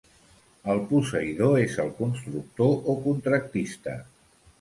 El posseïdor és el constructor o contractista.